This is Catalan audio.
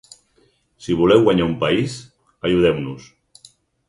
Si voleu guanyar un país, ajudeu-nos.